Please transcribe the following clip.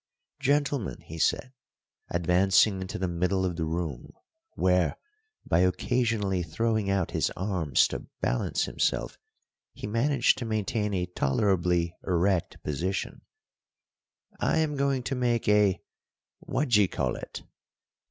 "Gentlemen," he said, advancing into the middle of the room, where, by occasionally throwing out his arms to balance himself, he managed to maintain a tolerably erect position, "I am going to make a what d'ye call it."